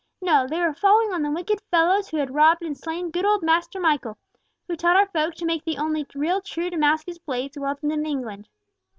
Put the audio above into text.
No, they were falling on the wicked fellows who had robbed and slain good old Master Michael, who taught our folk to make the only real true Damascus blades welded in England.